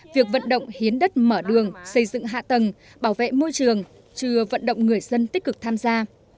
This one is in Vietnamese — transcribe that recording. việc vận động hiến đất mở đường xây dựng hạ tầng bảo vệ môi trường chưa vận động người dân tích cực tham gia